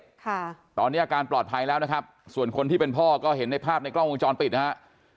ค่ะตอนนี้อาการปลอดภัยแล้วนะครับส่วนคนที่เป็นพ่อก็เห็นในภาพในกล้องวงจรปิดนะฮะ